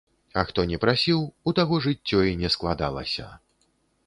А хто не прасіў, у таго жыццё і не складалася.